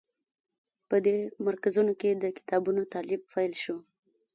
په دې مرکزونو کې د کتابونو تألیف پیل شو.